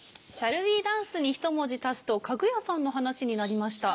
『Ｓｈａｌｌｗｅダンス？』にひと文字足すと家具屋さんの話になりました。